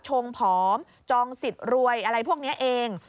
ชงผอมจองสิทธิ์รวยอะไรพวกนี้เอง